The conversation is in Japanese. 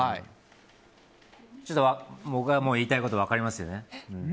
ちょっと僕の言いたいこと分かりますよね。